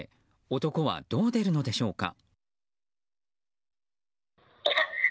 男はどう出るのでしょうか。